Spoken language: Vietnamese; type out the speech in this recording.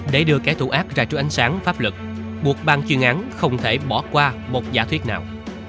để đưa kẻ tù ác ra trung ánh sáng pháp luật buộc bàn chuyên án không thể bỏ qua một giả thuyết nào